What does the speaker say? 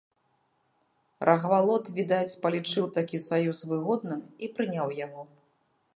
Рагвалод, відаць, палічыў такі саюз выгодным і прыняў яго.